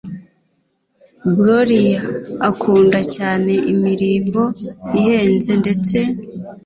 Gloria akunda cyane imirimbo ihenze ndetse n